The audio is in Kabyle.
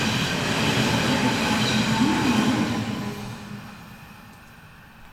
Giɣ leqdic-nni mgal lebɣi-w.